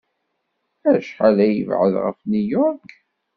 Acḥal ay yebɛed ɣef New York?